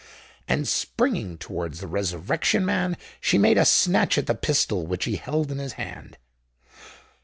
And, springing towards the Resurrection Man, she made a snatch at the pistol which he held in his hand.